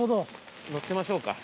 乗ってましょうか。ＯＫ。